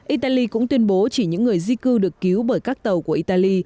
italy cũng tuyên bố chỉ những người di cư được cứu bởi các tàu của italy